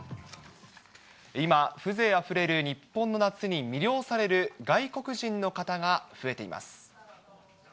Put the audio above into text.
今、風情あふれる日本の夏に魅了される外国人の方が増えています。